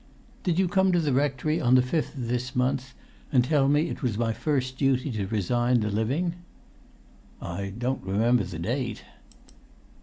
"Did you come to the rectory on the fifth of this month, and tell me it was my first duty to resign the living?" "I don't remember the date."